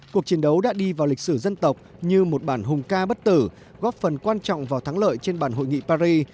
cuộc chiến đấu đã đi vào lịch sử dân tộc như một bản hùng ca bất tử góp phần quan trọng vào thắng lợi trên bàn hội nghị paris